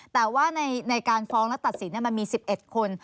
แต่ว่าในการฟ้องและตัดสินมันมี๑๑คน